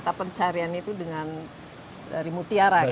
mata pencarian itu dengan dari mutiara kan ya